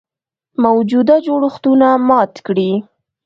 موجوده جوړښتونه مات کړي.